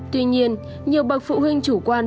tuy nhiên nhiều bậc phụ huynh chủ quan